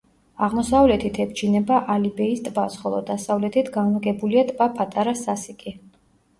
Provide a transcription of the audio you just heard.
აღმოსავლეთით ებჯინება ალიბეის ტბას, ხოლო დასავლეთით განლაგებულია ტბა პატარა სასიკი.